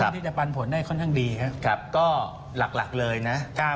หุ้นที่จะปันผลได้ค่อนข้างดีครับครับก็หลักหลักเลยนะครับ